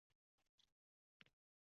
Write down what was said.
Jasorat va matonat